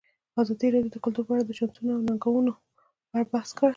ازادي راډیو د کلتور په اړه د چانسونو او ننګونو په اړه بحث کړی.